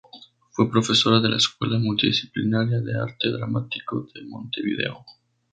Fue profesora de la Escuela Multidisciplinaria de Arte Dramático de Montevideo.